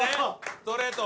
ストレート。